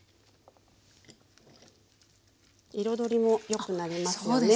彩りもよくなりますよね